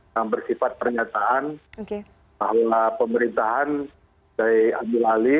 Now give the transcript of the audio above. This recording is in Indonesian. yang bersifat pernyataan pemerintahan dari andi lali